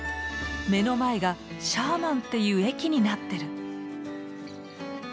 目の前がシャーマンっていう駅になってる。